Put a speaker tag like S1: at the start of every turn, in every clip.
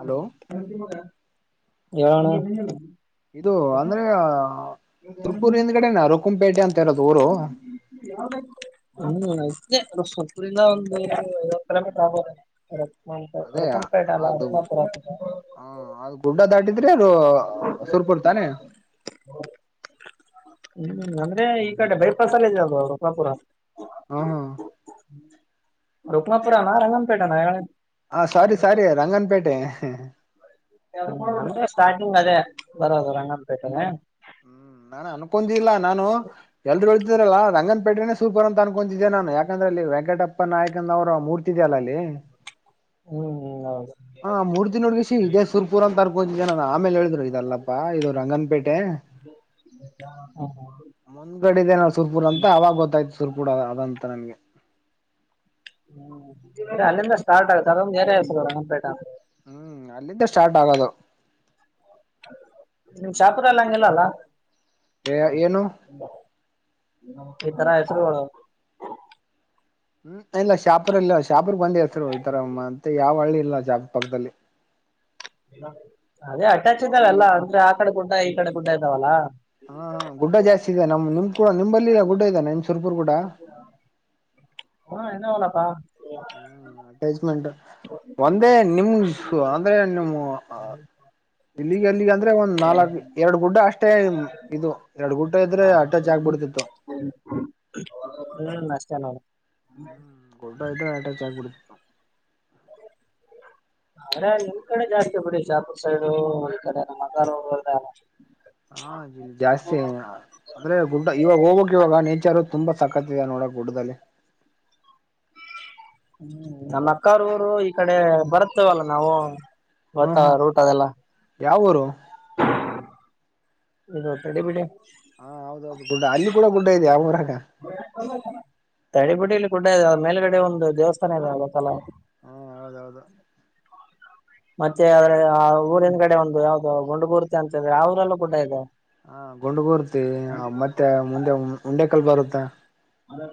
S1: Hello ಇದು ಅಂದ್ರೆ ತೃಪೂರ ಹಿಂದಗಡೆ ನಾ ರುಕುಂಪೇಟೆ ಅಂತ ಇರೋದು ಊರು.
S2: ಹ್ಮ್ [unintelligible] ಒಂದ್ ಐವತ್ತು ಕಿಲೋಮೀಟರ್ ಆಗ್ಬೋದ.
S1: ಅದೇ ಅದು
S2: ರುಕಮಾಪುರ
S1: ಹ ಅದು [unintelligible] ಗುಡ್ಡ ದಾಟಿದ್ರೆ [unintelligible] ಹೊಸೂರುಪುರ ತಾನೇ.
S2: ಹ್ಮ ಹ್ಮ್ ಅಂದ್ರೆ ಈ ಕಡೆ ಬೈಪಸ್ ಅಲ್ಲೇ ಇದೆ ರಥಪುರ.
S1: [unintelligible]
S2: ರೂಕ್ನಾಪುರ ನ ರಂಗನಪೇಟ ನ ಹೇಳ
S1: ಹ ಸಾರಿ ಸಾರಿ ರಂಗನ್ ಪೇಟೆ.
S2: [unintelligible] ಅಂದ್ರೆ ಸ್ಟಾರ್ಟಿಂಗ್ ಅದೇ ಬರದು ರಂಗಂ ಪೇಟೆನೆ.
S1: ನಾನ್ [unintelligible] ನಾನು ಎಲ್ಲರೂ ಹೇಳ್ತಿದ್ರಲ್ಲ ರಂಗನ್ ಪೇಟೆ ಸೂರ್ ಪುರ್ ಅಂತ ಅನ್ಕೊತಿದ್ದೆ ನಾನು ಯಾಕಂದ್ರೆಲ್ಲಿ ವೆಂಕಟಪ್ಪ ನಾಯಕನ ಅವರ ಮೂ ಇದ್ದೀಯಲ್ಲ ಅಲ್ಲಿ.
S2: ಹ್ಮ್ ಹ್ಮ್ ಹೌದು.
S1: ಹ ಮೂರ್ತಿ ನೋಡ್ವಿಸಿ ಇದೇ ಸೂರ್ ಪುರ ಅಂತರ್ಕೋತಿದ್ದ ನಾನ ಆಮೇಲೆ ಹೇಳಿದ್ರು ಇದಲ್ಲಪ್ಪಾ ಇದದು ರಂಗನಪೇಟೆ.
S2: [unintelligible]
S1: ಮುಂದ್ಗಡ ಇದೆ [unintelligible] ಸುರ್ಪುರ್ ಅಂತ ಅವಾಗ ಗೊತ್ತಾಯ್ ಸುರ್ಪೂರ್ ಅದಂತ ನನ್ಗೆ.
S2: ಹ್ಮ [unintelligible] ಅಲ್ಲಿಂದ ಸ್ಟಾರ್ಟ್ ಆಗುತ್ತೆ ಅದೊಂದು ಏರಿಯಾ ಹೆಸರು ರಂಗನ್ ಪೇಟ ಅಂತ ಹೇಳ್
S1: ಹ್ಮ್ ಅಲ್ಲಿಂದ ಸ್ಟಾರ್ಟ್ ಆಗೋದು.
S2: ನಿಮ್ ಶಾಪುರ ಅಲ್ಲಿ ಹಂಗಿಲ್ಲಲ್ಲ.
S1: ಏ ಏನು.
S2: ಇತರ ಹೆಸರು.
S1: ಹ್ಮ್ ಇಲ್ಲ ಶಪುರ್ ಇಲ್ಲ ಶಾಪೂರ್ ಬಂದು ಹೇಳ್ತಿದ್ರು ಈತರ ಮತ್ತೆ ಯಾವ್ ಹಳ್ಳಿ ಇಲ್ಲ ಶಾ ಪಕ್ಕದಲ್ಲಿ.
S2: ಅದೇ ಅಟ್ಯಾಚ್ ಇದಲ್ಲ ಅಲ್ಲಾ ಅಂದ್ರೆ ಆ ಕಡೆ ಗುಡ್ಡ ಈ ಕಡೆ ಗುಡ್ಡ ಇದ್ದಾವಲ್ಲ.
S1: ಹಾ ಗುಡ್ಡ ಜಾಸ್ತಿ ಇದೆ ನಮ್ ನಿಮ್ ಕೂ [unintelligible] ನಿಂಬಲ್ಲಿ ಗುಡ್ಡ ಇದೆ ನಿಮ್ ಸುರ್ಪೂರ್ ಗುಡ್ಡ.
S2: ಹ ಇದವಲ್ಲಪ್ಪ.
S1: ಹ ಅಟ್ಯಾಚ್ಮೆಂಟ್ ಒಂದೇ ನಿಮ್ ಅಂದ್ರೆ ನಿಮ್ಮ ಹ. ಇಲ್ಲಿಗೆ ಅಲ್ಲಿಗೆ ಅಂದ್ರೆ ಒಂದ್ ನಾಲ್ಕ್ ಎರಡು ಗುಡ್ಡ ಅಷ್ಟೇ. ಇದು ಎರಡು ಗುಡ್ಡ ಇದ್ರೆ ಅಟ್ಯಾಚ್ ಆಗ್ಬಿಡ್ತಿತ್ತು.
S2: ಹ್ಮ ಅಷ್ಟೇ ನೋಡ.
S1: ಹ್ಮ್ ಗುಡ್ಡ ಇದ್ರೆ ಆಟ್ಯಾಚ್ ಆಗ್ಬಿಡುತ್ತ.
S2: ಆದ್ರೆ ನಿಮ್ ಕಡೆ ಜಾಸ್ತಿ ಬಿಡಿ ಶಾಪುರ್ ಸೈಡು ಒಂದ್ ಕಡೆ ಮದರ್. [unintelligible]
S1: ಹಾ [unintelligible] ಜಾಸ್ತಿ [unintelligible] ಅಂದ್ರೆ ಗುಡ್ಡ ಇವಾಗ ಹೋಗ್ಕ್ ಇವಾಗ ನೇಚರ್ ತುಂಬಾ ಸಕತ್ ಇದೆ ನೋಡ ಗುಡ್ಡದಲ್ಲಿ.
S2: ಹ್ಮ ನಮ್ಮ ಅಕ್ಕಾರು ಊರು ಈ ಕಡೆ ಬರುತ್ತವಲ್ಲ ನಾವು. ಗೋತಾ ರೂಟ್ ಅದೆಲ್ಲ.
S1: ಯಾವ ಊರು.
S2: ಇದು ತಡಿ ಬಿಡಿ.
S1: ಹಾ ಹೌದೌದು ಗುಡ್ಡ ಅಲ್ಲಿ ಕೂಡ ಗುಡ್ಡ ಇದಿಯಾ ಆ ಊರಾಗ.
S2: ತಡಿಬುಡ್ಡಿಯಲ್ಲಿ ಗುಡ್ಡ ಇದಾವೆ ಮೇಲ್ಗಡೆ ಒಂದು ದೇವಸ್ಥಾನ ಇದೆಯಲ್ಲ ಗೊತ್ತಲ್ಲ.
S1: ಹಾ ಹೌದೌದು.
S2: ಮತ್ತೆ ಆದ್ರೆ ಆ ಊರಿಂದೆಗಡೆ ಒಂದು ಯಾವ್ದೋ ಗುಂಡು ಮೂರ್ತಿ ಅಂತಿದೆ ಆ ಊರಲ್ಲೂ ಗುಡ್ಡ ಇದೆ.
S1: ಹ ಗುಂಡುಮೂರ್ತಿ ಮತ್ತೆ ಮುಂದೆ ಮುಂಡೇಕಲ್ಲು ಬರುತ್ತೆ.
S2: ಹ್ಮ್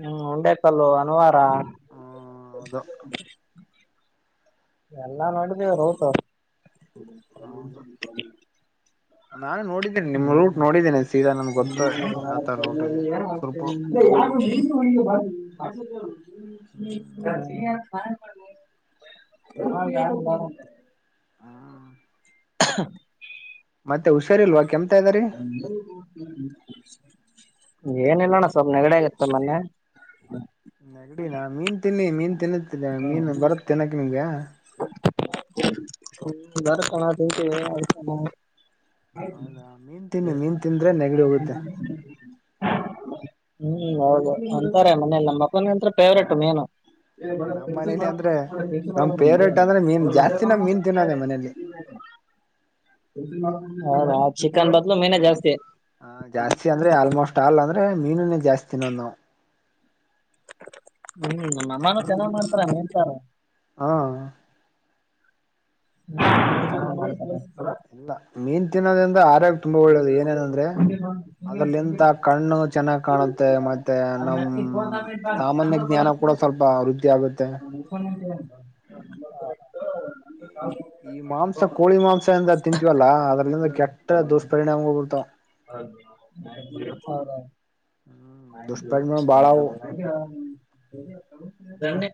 S2: [unintelligible] ಕಲ್ಲು ವನವಾರ.
S1: ಹಲೋ
S2: ಎಲ್ಲಾ
S1: ಹ್ಮ್
S2: ನೋಡಿದೇವಿ ರೂಟು
S1: ಹೌದು [inaudible] ನಾನು ನೋಡಿದ್ದೇನೆ ನಿಮ್ ರೂಟ್ ನೋಡಿದ್ದೇನೆ ಸೀದಾ ನಮ್ಗೆ ಗೊತ್ತ ಯಾವ ತರ ರೂಟ್ ಇದೆ ಸ್ವಲ್ಪ
S2: ಯಾರ್ [unintelligible] ಹ ಯಾರ್ ಫೋನ್ ಅಂದೆ
S1: ಹ್ಮ್
S2: [unintelligible]
S1: ಮತ್ತೆ ಹುಷಾರಿ ಇಲ್ವಾ ಕೆಮ್ಮುತಇದರೆ ಇದ್ದಾರಿ
S2: ಏನಿಲ್ಲಣ್ಣ ಸ್ವಲ್ಪ್ ನೆಗಡೆ ಆಗತ್ತೆ ಮೊನ್ನೆ
S1: ನೆಗಡಿ ನಾ ಮೀನ್ ತಿನ್ನಿ ಮೀನ್ ತಿನ್ನು
S2: ಹ್ಮ ಹ್ಮ ಭರತನ ಡ್ಯೂಟಿ ಅದಕ್ಕೆ ಆತ
S1: ಹೌದಾ ಮೀನ್ ತಿನ್ನಿ ಮೀನ್
S2: [unintelligible]
S1: ತಿಂದ್ರೆ ನೆಗಡಿ ಹೋಗುತ್ತೆ
S2: ಹ್ಮ್ ಹೌದು ಅಂತಾರೆ ಮನೆಯಲ್ಲಿ ಎಲ್ಲಾ ನಮ್ಮ ಮಕ್ಕಳ ಅಂತ ಫೇವ್ರೇಟ್ ಮಿನು ಏ
S1: ನಮ್ಮ್
S2: ಮಳೆು
S1: ಮನೇಲಿ
S2: ಮಾಡ
S1: ಅಂದ್ರೆ ನಮ್ ಫೇವ್ರೇಟ್ ಅಂದ್ರೆ ಮೀನ್
S2: ಮೆ
S1: ಜಾಸ್ತಿ
S2: ಪಚ್ಚು
S1: ನಾ ಮೀನ್ ತಿನ್ನೋದೆ ಮನೇಲಿ
S2: ಬ ಹ ಚಿಕನ್ ಬದಲು ಮೀನ ಜಾಸ್ತಿ
S1: ಹ ಜಾಸ್ತಿ ಅಂದ್ರೆ ಆಲ್ಮೋಸ್ಟ್ ಅಲ್ ಅಂದ್ರೆ ಮೀನುನೇ ಜಾಸ್ತಿನೊಂದು
S2: ಹ್ಮ್ ನಮ್ಮಾನ ಚೆನ್ನಾಗ್ ಮಾಡ್ತಾರ ಮೇನ್ಂತಾರ
S1: ಹಾ
S2: ಹ
S1: ಇಲ್ಲ ಮೀನ್ ತಿನ್ನೋದ್ರಿಂದ ಆರೋಗ್ಯ ತುಂಬಾ ಒಳ್ಳೇದು ಏನೇನಂದ್ರೆ ಅದ್ರಲ್ಲಿ ಇಂತ ಕಣ್ಣು ಚೆನ್ನಾಗ್ ಕಾಣುತ್ತೆ ಮತ್ತೆ ನಮ್ಮ್ ಸಾಮಾನ್ಯ ಜ್ಞಾನ ಕೂಡ ಸ್ವಲ್ಪ ವೃದ್ಧಿ ಆಗುತ್ತೆ
S2: [unintelligible]
S1: ಈ ಮಾಂಸ ಕೋಳಿ ಮಾಂಸ ಎಂದ ತಿಂತವಲ್ಲಾ ಅದ್ರಲಂದ ಕೆಟ್ಟ ದುಷ್ಪರಿಣಾಮ ಬರ್ತಾವ ಹ್ಮ್ ದುಷ್ಪರಿಣಾಮ ಬಾಳವು
S2: [unintelligible] ಅ [unintelligible]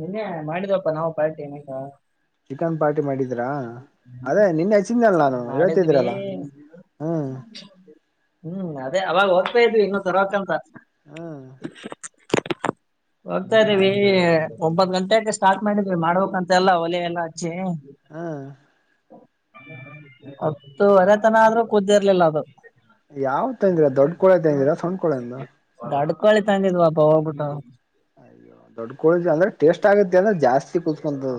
S2: ನಿನ್ನೆ ಮಾಡಿದಪ್ಪಾ ನಾವು ಪಾರ್ಟಿ ಏನೇಕ
S1: ಚಿಕನ್ ಪಾರ್ಟಿ ಮಾಡಿದ್ರಾ ಅದೇ ನಿನ್ನೆ ಹಚ್ಚಿದ್ದಲ್ಲ ನಾನು
S2: ಮಾಡಿದ್ವಿ
S1: ಹೇಳ್ತಿದೀರಲ್ಲ
S2: ಹ್ಮ್ ಅದೇ ಅವಾಗ ಹೋಗದ್ತಾ ಇದ್ವಿ ಇನ್ನ ತರ್ಕಂತ
S1: ಹ್ಮ್
S2: ಹೋಗ್ತಾದೀವಿ ಒಂಬತ್ ಗಂಟೆಕ ಸ್ಟಾರ್ಟ್ ಮಾಡಿದ್ವಿ ಮಾಡ್ಬೇಕಂತೆ ಎಲ್ಲ ಒಲೆ ಎಲ್ಲ ಹಚ್ಚಿ
S1: ಹಾ
S2: ಹತ್ತುವರೆತನ ಆದ್ರೂ ಕುದ್ದಿರ್ಲಿಲ್ಲ ಅದು
S1: ಯಾವ್ ತಂದಿರ ದೊಡ್ಡ ಕೋಳಿ ತಂದರೆ ಸಣ್ಣ ಕೋಳಿ ತಂದಿರೆ
S2: ದೊಡ್ಡ ಕೋಳಿ ತಂದಿದ್ವಪ್ಪ ಹೋಗ್ಬಿಟ್ಟು
S1: ಅಯ್ಯೋ ದೊಡ್ಡ ಕೋಳ ಅಂದ್ರೆ ಟೇಸ್ಟ್ ಆಗತ್ತೆ ಅಂದ್ರೆ ಜಾಸ್ತಿ ಕುತ್ಕೊಂತು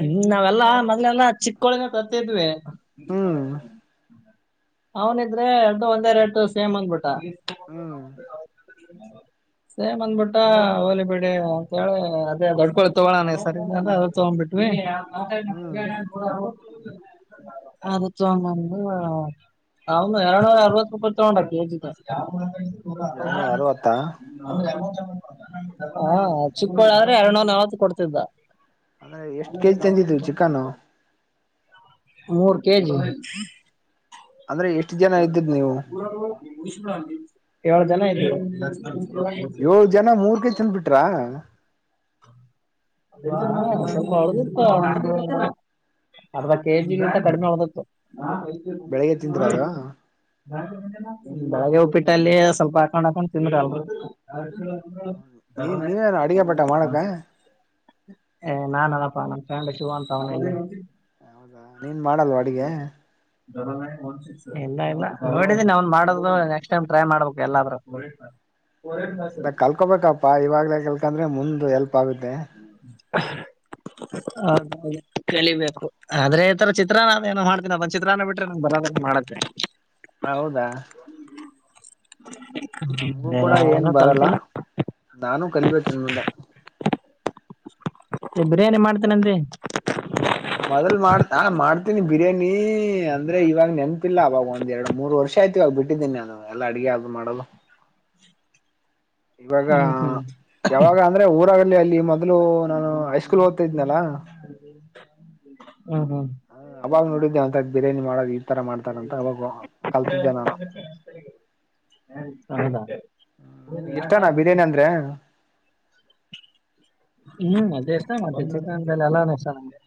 S2: ಹ್ಮ ನಾವೆಲ್ಲಾ ಮೊದ್ಲೆಲ್ಲ ಚಿಕ್ಕೋಳಿನ ಕತಿದ್ವಿ
S1: ಹ್ಮ್
S2: ಅವನಿದ್ರೆ ಎ ಒಂದೇ ರೆಟ್ ಸೇಮ್ ಅಂದ್ಬಿಟ್ಟ
S1: ಹ್ಮ್
S2: ಹೌ ಸೇ ಬಂದ್ಬಿಟ್ಟ ಹೋಲಿ ಬಿಡಿ ಅಂತೇಳಿ ಅದೇ ದೊಡ್ಕಳಿ ತಗೋಳಣ ಸರಿ ನ ಅ ತೊಗೊಂಡ್ ಬಿಟ್ವ
S1: ಹ್ಮ್
S2: ಅದು ತೊಗೊಂಬಂದು ಎರಡನೂರ ಅರವತ್ತು ರೂಪಾಯಿ ತಗೊಂಡ ಕೆಜಿ ಹಾ
S1: ಎರಡ್ನೂರ ಅರವತ್ತಾ ಹ್ಮ್
S2: [unintelligible] ಾದ್ರೆ ಎರಡ್ನೂರ್ ನಲ್ವತ್ತುತ್ ಕೊಡ್ತಿದ್ದ
S1: ಅಂದ್ರೆ ಎಷ್ಟ್ ಕೆಜಿ ತಂದಿದ್ವಿ ಚಿಕನ್
S2: ಮೂರು ಕೆಜಿ
S1: ಅಂದ್ರೆ ಎಷ್ಟು ಜನ ಇದ್ದಿದ್ ನೀವು
S2: ಏಳು ಜನ ಇದ್ರು
S1: ಏಳ ಜನ ಮೂರ್ಕ ಚಂದ ಬಿಟ್ರಾ
S2: ಳ ಅರ್ಧ ಕೆಜಿಗಂತ ಕಡಿಮೆ ಒದತ್ತು
S1: ಬೆಳಿಗ್ಗೆ ತಿಂದ್ರ ಅದು
S2: ಬೆಳಗ್ಗೆ ಉಪ್ಪಿಟ್ಟಲ್ಲಿ ಸ್ವಲ್ಪ ಹಾಕೊಂಡ್ ಹಾಕೊಂಡ್ ತಿಂದ್ರ ಅಲ್
S1: ಹ ನೀ ನೀವೇನು ಅಡುಗೆ ಪಟ್ಟ ಮಾಡಕ್ಕೆ
S2: ಏ ನಾನ್ನಪ್ಪಾ ನಮ್ಮ ಫ್ಯಾಮಿಲಿ ಶಿವ ಅಂತ ಅವನ
S1: ಹೌದಾ ನೀನ್ ಮಾಡಲ್ವಾ ಅಡಗೆ
S2: ಧ ಮೇ್ ಬಸ ಇಲ್ಲ ಇಲ್ಲ ನೋಡಿದೀಿ ಅವನ್ ಮಾಡದು ನೆಕ್ಸ್ಟ್ ಟೈಮ್ ಟ್ರೈ ಮಾಡ್ಬೇಕು ಎಲ್ಲಾದ್ರ
S1: ಕಲ್ಕೋಬೇಕಪ್ಪಾ ಇವಾಗ್ಲೇ ಕಲ್ಕಂದ್ರೆ ಮುಂದ್ ಎಲ್ಪ್ ಆಗುತ್ತೆ
S2: [inaudible] ಹೌದ ಕಲಿಬೇಕು ಆದ್ರೆ ಈ ತರ ಚಿತ್ರಾ ಏನೋ ಮಾಡ್ತೀನ ಅದೊಂದು ಚಿತ್ರಾನ್ನ ಬಿಟ್ರೆ ನಂಗ ಬರದ ಮಾಡ [unintelligible]
S1: ಹೌದಾ
S2: [inaudible]
S1: ನಮಗೂ
S2: ಬೇರೆ
S1: ಕೂಡ ಏನ್
S2: ಏನೋ
S1: ಬರಲ್ಲ
S2: ಕಲ್ತಿಲ್ಲ
S1: ನಾನು ಕಲಿಬೇಕೇನ್ ಮುಂದೆ
S2: ಬಿರಿಯಾನಿ ಮಾಡ್ತೇನನ್ರಿ
S1: ಮೊದಲ್ ಮಾಡ ಆ ಮಾಡ್ತೀನಿ ಬಿರಿಯಾನಿ ಅಂದ್ರೆ ಇವಾಗ ನೆನ್ ಇಿಲ್ಲ ಅವವಾಗ ಒಂದ ಎರಡು ಮೂರು ವರ್ಷ ಆಯ್ತುವಾಗ ಬಿಟ್ಟಿದ್ದೀನಿಾನು ಎ ಅಡುಗೆ ಅದು ಮಾಡೋದು ಇವಾಗ
S2: ಹ್ಮ್ ಹ್ಮ್
S1: ಯಾವಾಗ ಅಂದ್ರೆ ಊರಲ್ಲಿ ಅಲ್ಲಿ ಮೊದ್ಲು ನಾನು ಹೈಸ್ಕೂಲ್ ಓದ್ತಾ ಇದ್ನಲ್ಲಾ
S2: ಹ ಹ್ಮ ಹ್ಮ
S1: ಹ ಅವಾಗ ನೋಡಿದ್ದೆ ಒಂತ ಬಿರಿಯಾನಿ ಮಾಡ ಈ ತರ ಮಾಡ್ತಾರ ಅಂತ ಅವಾಗ ಕಲ್ತಿದ್ದೆ ನಾನು
S2: ಹೌದಾ
S1: ನಿನ್ಗೆ ಇಷ್ಟನಾ ಬಿರಿಯಾನಿ ಅಂದ್ರೆ
S2: ಹ್ಮ್ ಅದೇ ಎಷ್ಟ ಮತ್ತೆ ಚಿಕನ್ಲೆ ಎಲ್ಲಾನ ಇಷ್ಟ ನಂಗೆ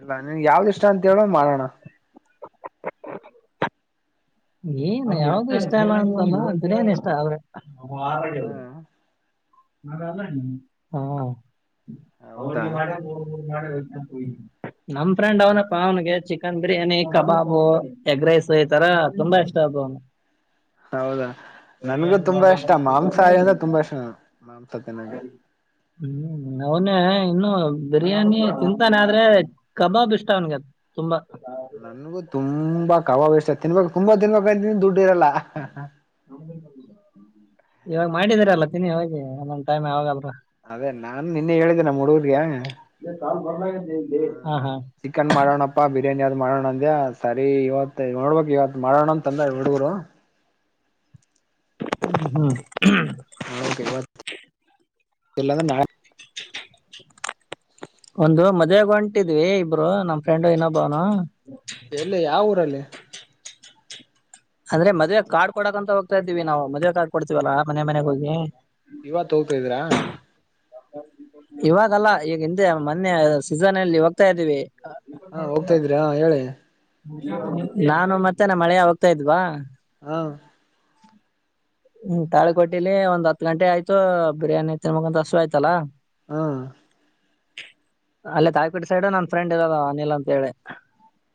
S1: ಇಲ್ಲ ನಿನ್ಗೆ ಯಾವ್ದ್ ಇಷ್ಟ ಅಂತ ಹೇಳ ಮಾಡೋಣ
S2: ಏನ್ ಯಾವಾಗ ಇಷ್ಟ ಇಲ್ಲ ಅಂತಲ್ಲನ್ ಇಷ್ಟ ಆದ್ರ
S1: ಹ್ಮ್
S2: ಮಾಡ ಅಲ್ಲ
S1: ಹೌದಾ
S2: ಅವಿಗೆ ಮಾಡ ಮೂರು ಮೂರು ಮಾಡ ನಮ್ ಫ್ರೆಂಡ್ ಅವನಪ್ಪ ಅವನಿಗೆ chicken biryani kebab egg rice ಈ ತರ ತುಂಬಾ ಇಷ್ಟ ಅ ಅವನು
S1: ಹೌದಾ ನನ್ಗೂ ತುಂಬಾ ಇಷ್ಟ ಮಾಂಸಾಹಿ ಅಂದ್ರೆ ತುಂಬಾ ಇಷ್ಟ ಮಾಂಸ ತಿಿನಗೆ
S2: ಹ್ಮ್ ಅವನ ಇನ್ನು ಬಿರಿಯಾನಿ ತಿಂತಾನ ಆದ್ರೆ ಕಬಾಬ್ ಇಷ್ಟ ಅವನ್ಗ ತುಂಬಾ
S1: ನನ್ಗು ತುಂಬಾ ಕವಾಾವಷ ತಿನ್ಬೇಕು ತುಂಬಾ ತಿನ್ಬೇಕಂತ ದುಡ್ ಇರಲ್ಲ
S2: ಇವಾಗ ಮಾಡಿದ್ರಲ್ಲ ತಿನ್ನಿ ಹ ಅೊಂದು ಟೈಮ್ ಯಾವಾಗಲ್ರ
S1: ಅದೇ ನಾನ್ ನಿನ್ನೆ ಹೇಳಿದ್ದೀ ನ ಹಡುಗರ್ಗ
S2: ಇ ಕಾಲ್ ಬರ್ಲ ಹ ಹ
S1: ಚಿಕನ್ ಮಾಡೋಣಪ್ಪಾ ಬಿರಿಯಾನಿ ಅದ್ ಮಾಡೋಣ ಅಂದ್ಯಾ ಸರಿ ಇವತ್ ನೋಡ್ಬಬೇಕಕ್ ಇವತ್ ಮಾಡೋಣ ಅಂತ ತಂದ ಹುಡುಗರು
S2: ಹ್ಮ್ ಹ್ಮ್
S1: ಹ ಎಲ್ಲ ನ
S2: ಒಂದು ಮದ್ವೆಗ ಹೊಂಟಿದ್ವಿ ಇಬ್ರು ನಮ್ ಫ್ರೆಂಡ್ ಇನೊಬ್ಬನು
S1: ಎಲ್ಲಿ ಯಾವ ಊರಲ್ಲಿ
S2: ಅಂದ್ರೆ ಮದ್ವೆ ಕಾರ್ಡ್ ಕೊಡಕ್ಂತ ಹೋಗ್ತಾ ಇದ್ದೀವಿ ನಾವು ಮದ್ವೆ ಕಾರ್ಡ ಕೊಡ್ತೀವಲ್ಲಾ ಮನೆ ಮನೆಗೆ ಹೋಗಿ
S1: ಇವತ್ ಹೋಗ್ತದೀರಾ
S2: ಇವಾಗಲ್ಲ ಈಗ ಹಿಂದೆ ಮೊನ್ನೆ ಸೀಸನಲ್ಲಿ ಹೋಗ್ತಾ ಇದ್ದೀವಿ
S1: ಹಾ ಹೋಗ್ತಾ ಇದ್ರಿ ಹಾ ಹೇಳಿ
S2: ನಾನು ಮತ್ತೇ ನಮ್ಮ ಅಳಿಯಾ ಹೋಗ್ತಾ ಇದ್ವಾ
S1: ಹಾ
S2: ಹ್ಮ್ ತಾಳಿಕೊಟ್ಟಿಲಿ ಒಂದ್ ಹತ್ ಗಂಟೆ ಆಯ್ತು ಬಿರಿಯಾನಿ ತಿನ್ ಬೇಕಂತ ಹಸುಯ್ತಾಲ್ಲಾ
S1: ಹಾ
S2: ಅಲ್ಲೇ ತಾಳಿಕೋಟಿ ಸೈಡ್ ನನ್ ಫ್ರೆಂಡ್ ಇರೋದ ಅನಿಲ್ ಅಂತ ಹೇಳಿ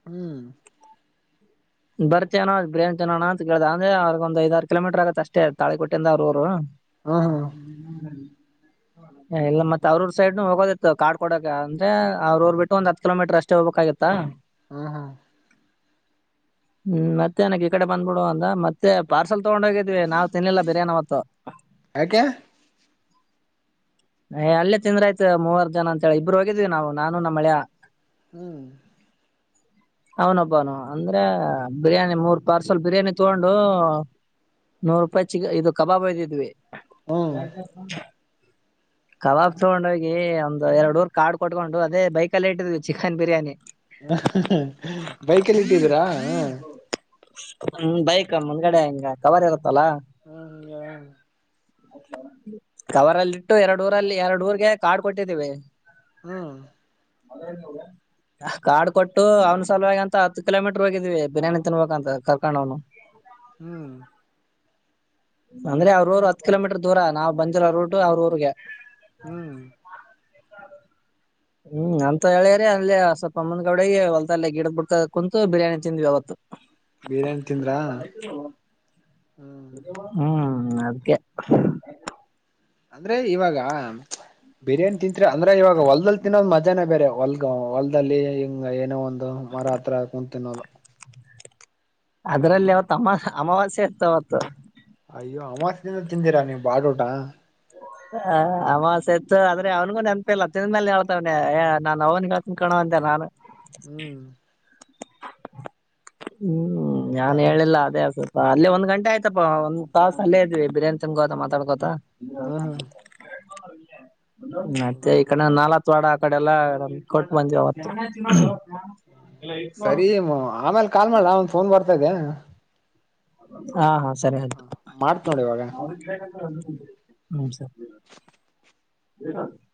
S1: ಹ್ಮ್
S2: ಬರ್ತಿ ಏನೋ ಬಿರಿಯಾನಿ ತಿನೋಣ್ಣ ಅಂತ ಕೇಳ್ದ ಅಂದ್ರೆ ಅವ್ರಿಗ ಒಂದ ಐದ ಆರ ಕಿಲೋಮೀರ್ ಆಗುತ್ತೆ ಅಷ್ಟೇ ತಾಳಿ ಕೊಟ್ಟಿಂದ ಅವ್ರ ಊರು [inaudible]
S1: ಹ್ಮ ಹ್ಮ
S2: ಇಲ್ಲ ಮತ್ತ ಅವ್ರ ಊರ ಸೈಡ್ನು ಹೋಗದಿತ್ತು ಕಾರ್ಡ್ ಕೊಡಕ ಅಂದ್ರೆ ಅವ್ರ ಊರು ಬಿಟ್ಟು ಒಂದು ಹತ್ತು ಕಿಲೋಮೀಟರ್ ಅಷ್ಟೇ. ಅಷ್ಟೇ ಹೋಗ್ಬೇಕಾಗಿತ್ತಾ
S1: ಹ್ಮ ಹಾ
S2: ಹ್ಮ್ ಮತ್ತೆ ಎನಕ ಈ ಕಡೆ ಬಂದಬಿಡು ಅಂದ ಮತ್ತೆ ಪಾರ್ಸಲ್ ತಗೊಂಡ ಹೋಗತಿ ನಾವ್ ತಿನ್ನಲಿಲ್ಲ ಬಿರಿಯಾನಿ ಅವತ್ತು
S1: ಯಾಕೆ [inaudible]
S2: ಏ ಅಲ್ಲೇ ತಿಂದ್ರ ಆಯ್ತ ಮೂವರ ಜನ ಅಂತ ಹೇಳಿ ಇಬ್ಬರ ಹೋಗಿದೀವಿ ನಾನು ನಮ್ಮ ಅಳಿಯ
S1: ಹ್ಮ್
S2: ಅವನೊಬ್ಬೂನು ಅಂದ್ರೆ ಬಿರಿಯಾನಿ ಮೂರ್ ಪಾರ್ಸಲ್ ಬಿರಿಯಾನಿ ತೊಂಡು ನೂರ ರೂಪಾಯಿ ಚಿಕ್ಕ ಕಬಾಬ್ ವೈದಿದ್ವಿ
S1: ಹ್ಮ್
S2: ಕಬಾಬ್ ತೊಗೊಂಡ ಹೋಗಿ ಒಂದ್ ಎರಡ ಊರ್ ಕಾರ್ಡ್ ಕೊಟ್ಕೊಂಡು ಅದೇ ಬೈಕಲ್ಲೆ ಇಟ್ಟಿದ್ವಿ ಚಿಕನ್ ಬಿರಿಯಾನಿ
S1: ಹ ಬೈಕಲ್ಲಿ ಇಟ್ಟಿದ್ದೀರಾ ಹ್ಮ್
S2: ಹ್ಮ ಬೈಕ್ ಮುಂದಗಡೆ ಹಿಂಗ ಕವರ್ ಇರುತ್ತಲ್ಲ.
S1: ಹ್ಮ್
S2: ಕವರ್ ಅಲ್ಲಿಟ್ಟು ಎರಡ್ ಊರಲ್ಲಿ ಎರಡು ಊರ್ಗೆ ಕಾರ್ಡ್ ಕೊಟ್ಟಿದ್ದೀವಿ.
S1: ಹ್ಮ
S2: ಕಾರ್ಡ್ ಕೊಟ್ಟು ಅವ್ನ ಸಲುವಾಗಿ ಅಂತ ಹತ್ತು ಕಿಲೋಮೀಟರ್ ಹೋಗಿ ಬಿರಿಯಾನಿ ತಿನ್ಬೇಕ ಅಂತ ಕರ್ಕೊಂಡು ಅವನು
S1: ಹ್ಮ್
S2: ಅಂದ್ರೆ ಅವರ ಊರು ಹತ್ತು ಕಿಲೋಮೀಟರ್ ದೂರ ನಾವ್ ಬಂದಿರೋ ರೂಟ್ ಅವರ ಊರಿಗೆ
S1: ಹ್ಮ್
S2: ಹ್ಮ್ ಅಂತ ಹೇಳ್ಯರಿ ಅಲ್ಲಿ ಸ್ವಲ್ಪ ಮುಂದ್ಗಡಿಗಿ ಹೊಲದಲ್ಲಿ ಗಿಡದಬಿಡಕುಂತು ಬಿರಿಯಾನಿ ತಿಂದ್ವಿ ಅವತ್ತು
S1: ಬಿರಿಯಾನಿ ತಿಂದ್ರಾ ಹ್ಮ
S2: ಹ್ಮ್ ಅದಕ್ಕೆ
S1: ಅಂದ್ರೆ ಇವಾಗ ಬಿರಿಯಾನಿ ತಿಂತ್ರಿ ಅಂದ್ರೆ ಇವಾಗ ಹೊಲದಲ್ಲಿ ತಿನ್ನೋದು ಮಜಾನೇ ಬೇರೆ ಹೊಲ್ಗ ಹೊಲ್ದಲ್ಲಿ ಹಿಂಗ ಏನೋ ಒಂದ್ ಒಂದ್ ಮರ ಹತ್ರ ಕುಂತ ತಿನ್ನೋದು
S2: ಅದ್ರಲ್ಲಿ ಅವತ್ ಅಮಾ ಅಮಾವಾಸ್ಯ ಇತ್ತು ಅವತ್ತು
S1: ಅಯ್ಯೋ ಅವತ್ತ ದಿನ ತಿಂದಿರಾ ನೀವು ಬಾಡ ಊಟ
S2: ಹ ಅಮಾವಾಸೆ ಇತ್ತು ಆದ್ರೆ ಅವ್ನಿಗೂ ನೆನಪಿಲ್ಲ ತಿಂದು ಮೇಲೆ ಹೇಳ್ತವನ ನಾನ್ ಅವ್ನಿಗೆ [unintelligible] ನಾನು
S1: ಹ್ಮ್
S2: ಹ್ಮ್ ನಾನ್
S1: ಹೌದಾ
S2: ಹೇಳಿಲ್ಲ ಅದೇ ಅದು ಅಲ್ಲೇ ಒಂದ್ ಗಂಟೆ ಆಯ್ತಪಾ ಒಂದ್ ತಾಸ್ ಅಲ್ಲೇ ಇದ್ವಿ ಬಿರಿಯಾನಿ ತಿನ್ಕೋತ ಮಾತಾಡ್ಕೋತಾ
S1: ಹ್ಮ್
S2: ಮತ್ತೆ [unintelligible] ಆ ಕಡೆ ಎಲ್ಲ ಕೊಟ್ಟ [unintelligible] ಅವತ್ತು
S1: ಸರಿ ಆಮೇಲೆ ಕಾಲ್ ಮಾಡ್ಲ ಒಂದ್ ಫೋನ್ ಬರ್ತಾ ಇದೆ.
S2: ಹಾ ಹಾ ಸರಿ ಆಯ್ತು
S1: ಮಾಡ್ತ್ ನೋಡ್ ಇವಾಗ
S2: ಹ್ಮ ಸರಿ [unintelligible]